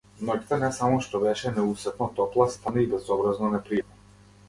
Ноќта не само што беше неусетно топла, стана и безобразно непријатна.